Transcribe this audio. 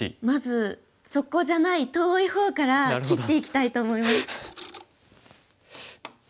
まずそこじゃない遠い方から切っていきたいと思います。